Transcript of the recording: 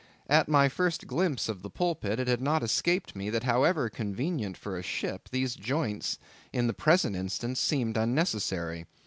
At my first glimpse of the pulpit, it had not escaped me that however convenient for a ship, these joints in the present instance seemed unnecessary.